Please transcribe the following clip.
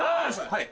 はい。